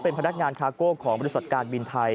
เป็นพนักงานคาโก้ของบริษัทการบินไทย